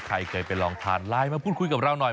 ใครเคยไปลองทานไลน์มาพูดคุยกับเราหน่อย